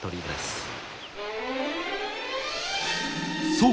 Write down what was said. そう！